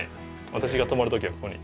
私が泊まる時はここに。